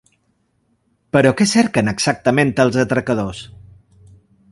Però què cerquen exactament els atracadors?